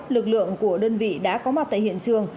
lực lượng của đơn vị đã có mặt tại hiện trường